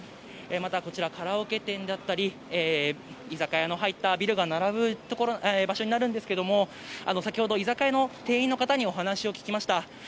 また、カラオケ店だったり居酒屋の入ったビルが並ぶ場所になるんですが先ほど、居酒屋の店員の方にお話を聞きました。